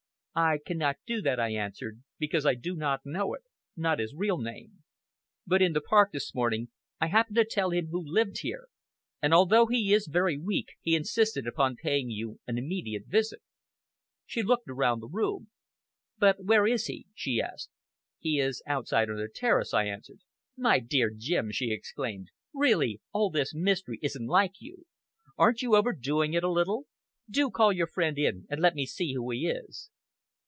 "I cannot do that," I answered, "because I do not know it not his real name. But in the park this morning, I happened to tell him who lived here, and although he is very weak, he insisted upon paying you an immediate visit." She looked around the room. "But where is he?" she asked. "He is outside on the terrace," I answered. "My dear Jim!" she exclaimed, "really, all this mystery isn't like you. Aren't you overdoing it a little? Do call your friend in, and let me see who he is!"